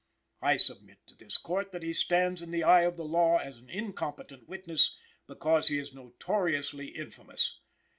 I submit to this Court that he stands in the eye of the law as an incompetent witness, because he is notoriously infamous.